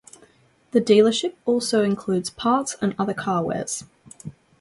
The dealership also includes parts and other car-wares.